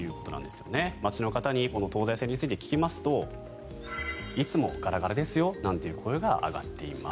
街の方に東西線について聞きますといつもガラガラですよなんていう声が上がっています。